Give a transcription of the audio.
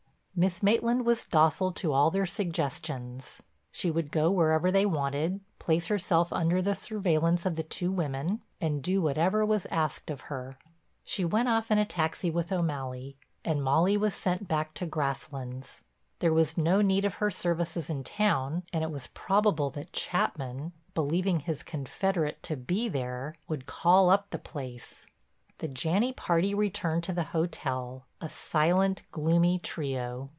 Miss Maitland was docile to all their suggestions. She would go wherever they wanted, place herself under the surveillance of the two women, and do whatever was asked of her. She went off in a taxi with O'Malley, and Molly was sent back to Grasslands. There was no need of her services in town and it was probable that Chapman, believing his confederate to be there, would call up the place. The Janney party returned to the hotel, a silent, gloomy trio.